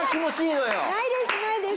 ないですないです。